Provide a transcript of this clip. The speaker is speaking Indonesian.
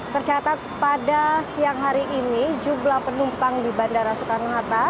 tercatat pada siang hari ini jumlah penumpang di bandara soekarno hatta